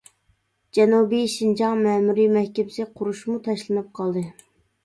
جەنۇبىي شىنجاڭ مەمۇرىي مەھكىمىسى قۇرۇشمۇ تاشلىنىپ قالدى.